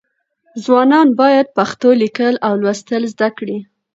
ځوانان باید پښتو لیکل او لوستل زده کړي.